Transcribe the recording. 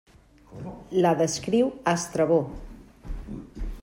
La descriu Estrabó.